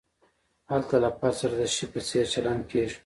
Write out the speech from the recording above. هلته له فرد سره د شي په څېر چلند کیږي.